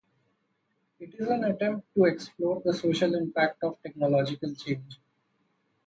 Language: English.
It is an attempt to explore the social impact of technological change.